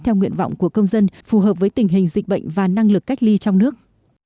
theo nguyện vọng của công dân phù hợp với tình hình dịch bệnh và năng lực cách ly trong nước